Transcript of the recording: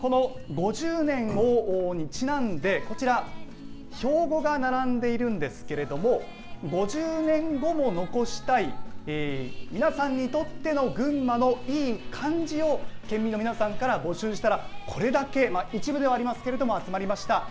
５０年にちなんで標語が並んでいるんですけども「５０年後も残したい皆さんにとっての群馬のいいカンジ」を県民の皆さんから募集したらこれだけ一部ではありますけども集まりました。